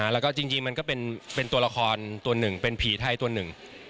แล้วก็จริงมันก็เป็นตัวละครตัวหนึ่งเป็นผีไทยตัวหนึ่ง